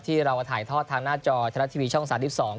ที่เราถ่ายทอดทางหน้าจอชนะทีวีช่องสารที่สอง